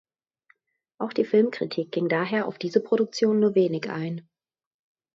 Auch die Filmkritik ging daher auf diese Produktion nur wenig ein.